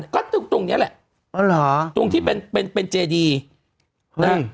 ก็ตรงตรงเนี้ยแหละอ๋อเหรอตรงที่เป็นเป็นเป็นเจดีนะ